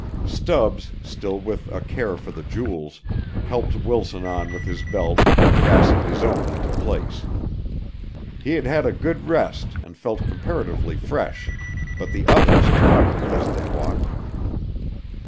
Stubbs, still with a care for the jewels, helped Wilson on with his belt and fastened his own into place. He had had a good rest and felt comparatively fresh, but the others tottered as they walked.